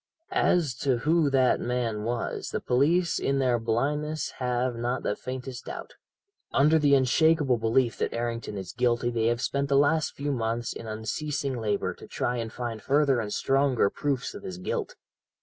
"As to who that man was, the police in their blindness have not the faintest doubt. Under the unshakable belief that Errington is guilty they have spent the last few months in unceasing labour to try and find further and stronger proofs of his guilt.